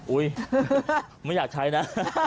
อุ๊ยไม่อยากใช้นะ